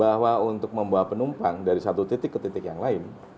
bahwa untuk membawa penumpang dari satu titik ke titik yang lain